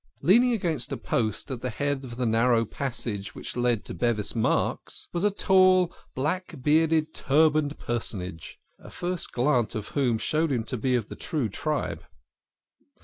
Leaning against a post at the head of the narrow passage which led to Bevis Marks was a tall, black bearded, turbaned personage, a first glance at whom showed him of the true tribe.